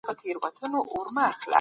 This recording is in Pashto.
خدای په هر ځای کي زموږ مل دی.